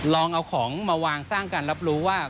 ลองเอาของมาวางสร้างการรับรู้ว่า